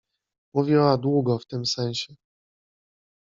Mówiła długo w tym sensie.